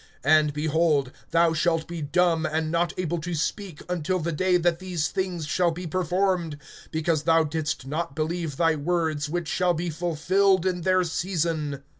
(20)And, behold, thou shalt be dumb, and not able to speak, until the day that these things shall be performed, because thou didst not believe thy words, which shall be fulfilled in their season.